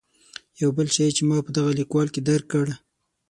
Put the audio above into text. یو بل شی چې ما په دغه لیکوال کې درک کړ.